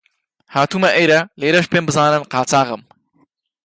هاتوومە ئێرە، لێرەش پێم بزانن قاچاغم